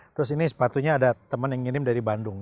terus ini sepatunya ada temen yang ngirim dari bandung